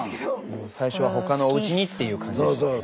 最初は他のおうちにっていう感じでしたよね。